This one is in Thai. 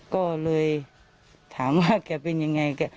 ก็เลยถามว่าแกเป็นยังไง